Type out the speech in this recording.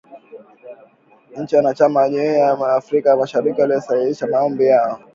Nchini wanachama wa Jumuiya ya Afrika Mashariki waliwasilisha maombi yao